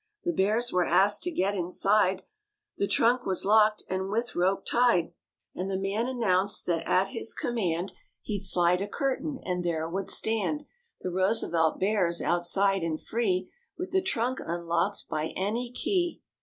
The Bears were asked to get inside; The trunk was locked and with rope was tied THE BEARS ENTERTAIN PHILADELPHIA CHILDREN 93 And the man announced that at his command He'd slide a curtain and there would stand The Roosevelt Bears outside and free With the trunk unlocked by any key.